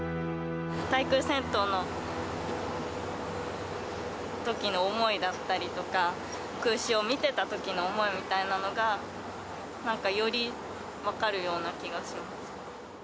対空戦闘のときの思いだったりとか、空襲を見てたときの思いみたいなのが、なんかより分かるような気がします。